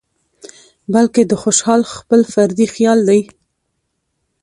بلکې د خوشال خپل فردي خيال دى